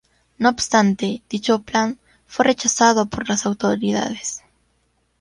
No obstante, dicho plan fue rechazado por las autoridades.